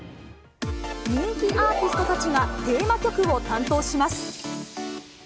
人気アーティストたちがテーマ曲を担当します。